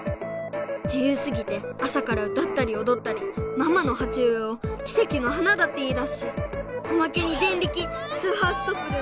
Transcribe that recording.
じゆうすぎて朝から歌ったりおどったりママのはちうえをキセキの花だって言いだすしおまけにデンリキ「スーハーストップルン」